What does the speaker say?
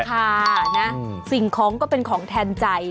ค่ะนะสิ่งของก็เป็นของแทนใจ